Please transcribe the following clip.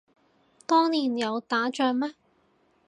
當年有打仗咩